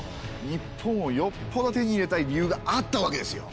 日本をよっぽど手に入れたい理由があったわけですよ。